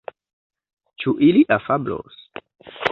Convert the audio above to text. Ĉu ili afablos?